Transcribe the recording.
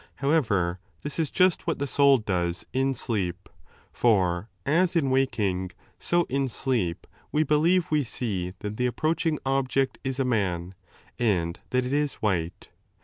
However, this is just what the soul does in sleep. For, as in waking, so in sleep, we believe we see that the approaching object is a man, and that it is white.